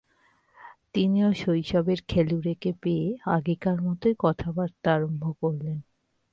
তিনিও শৈশবের খেলুড়েকে পেয়ে আগেকার মতই কথাবার্তা আরম্ভ করলেন।